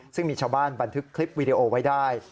ซึ่งมีชาวบ้านบันทึกคลิปวีดีโอไว้ได้